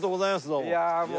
どうも。